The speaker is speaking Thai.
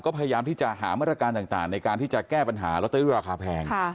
ก็พยายามที่จะหาเมื่อละการต่างต่างในการที่จะแก้ปัญหารักษณะที่ราคาแพง